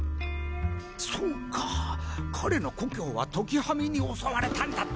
そうか彼の故郷は時喰みに襲われたんだった。